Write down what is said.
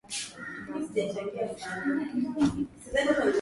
bagbo ambaye ushindi wake hautambuliwi